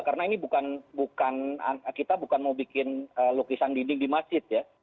karena ini bukan kita bukan mau bikin lukisan dinding di masjid ya